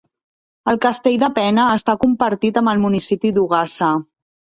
El castell de Pena està compartit amb el municipi d'Ogassa.